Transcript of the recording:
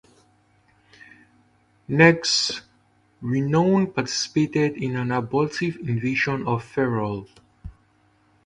Next, "Renown" participated in an abortive invasion of Ferrol.